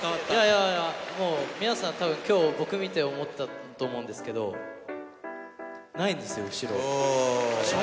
いやいや、もう皆さん、たぶん、きょう、僕見て思ったと思うんですけど、ないんですよ、後ろ。